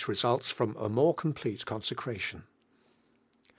remits from a more complete consecra tion.